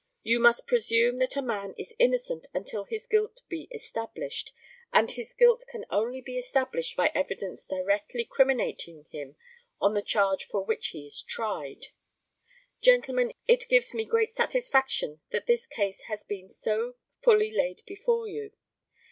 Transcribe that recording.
You must presume that a man is innocent until his guilt be established, and his guilt can only be established by evidence directly criminating him on the charge for which he is tried. Gentlemen, it gives me great satisfaction that this case has been so fully laid before you.